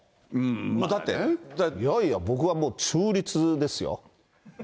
だっいやいや、僕は中立ですよ。